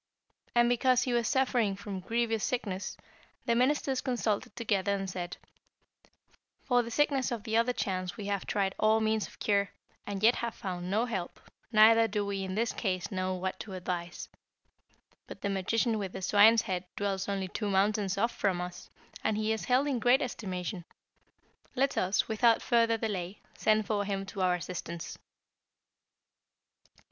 And because he was suffering from a grievous sickness, the ministers consulted together and said, 'For the sickness of the other Chans we have tried all means of cure, and yet have found no help, neither do we in this case know what to advise. But the magician with the swine's head dwells only two mountains off from us, and he is held in great estimation; let us, without further delay, send for him to our assistance.'